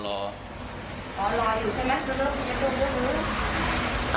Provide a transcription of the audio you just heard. ไม่ใช่เหมือนชุดนอน